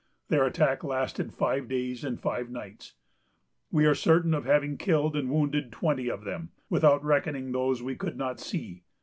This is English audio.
Their attack lasted five days and five nights. We are certain of having killed and wounded twenty of them, without reckoning those we could not see.